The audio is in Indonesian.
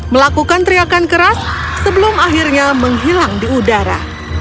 melakukan teriakan keras sebelum akhirnya menghilang di udara